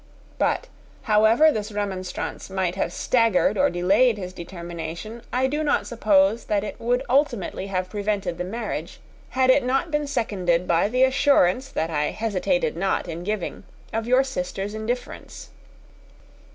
But however this remonstrance might have staggered or delayed his determination, I do not suppose that it would ultimately have prevented the marriage, had it not been seconded by the assurance, which I hesitated not in giving, of your sister's indifference.